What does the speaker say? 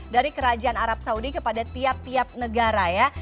dari kerajaan arab saudi kepada tiap tiap negara ya